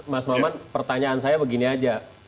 mas maman pertanyaan saya begini aja